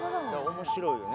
面白いよね